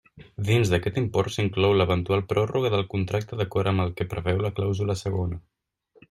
Dins d'aquest import s'inclou l'eventual pròrroga del contracte d'acord amb el que preveu la clàusula segona.